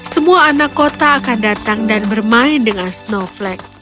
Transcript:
semua anak kota akan datang dan bermain dengan snowflake